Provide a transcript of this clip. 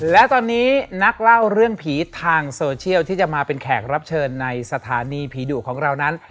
และตอนนี้นักเล่าเรื่องผีทางโซเชียลที่จะมาเป็นแขกรับเชิญในสถานีผีดุของเรานั้น